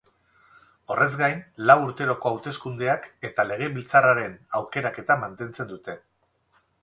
Horrez gain, lau urteroko hauteskundeak, eta legebiltzarraren aukeraketa mantentzen dute.